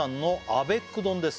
「アベック丼です」